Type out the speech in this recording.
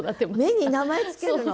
芽に名前付けるの！？